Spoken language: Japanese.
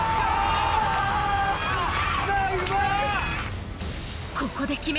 うまい！